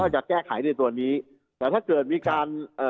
จะแก้ไขในตัวนี้แต่ถ้าเกิดมีการเอ่อ